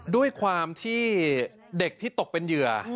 ด้วยความที่เด็กที่ตกเป็นเหยื่อ